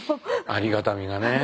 ありがたみがね。